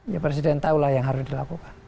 ya presiden tahulah yang harus dilakukan